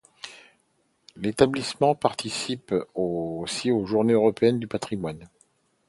L'établissement participe aussi aux Journées européennes du patrimoine.